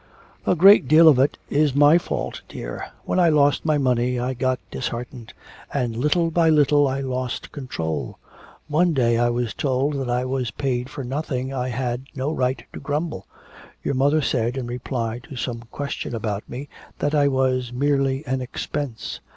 'A great deal of it is my fault, dear. When I lost my money I got disheartened, and little by little I lost control. One day I was told that as I paid for nothing I had no right to grumble. Your mother said, in reply to some question about me, that I was "merely an expense."